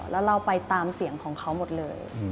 แล้วเราไปตามเสียงของเขาหมดเลย